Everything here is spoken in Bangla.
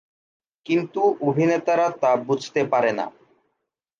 কিন্তু অভিনেতারা তা বুঝতে পারে না।